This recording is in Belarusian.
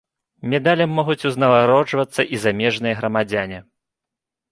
Медалем могуць узнагароджвацца і замежныя грамадзяне.